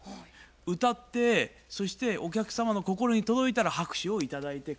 歌ってそしてお客様の心に届いたら拍手を頂いて返ってくると。